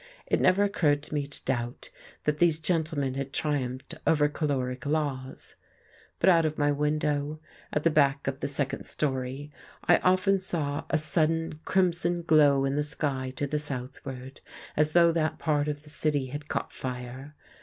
It never occurred to me to doubt that these gentlemen had triumphed over caloric laws. But out of my window, at the back of the second storey, I often saw a sudden, crimson glow in the sky to the southward, as though that part of the city had caught fire.